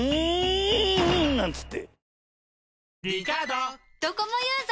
なんつって。